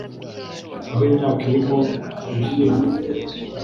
aho imyaka irimo ibishyimbo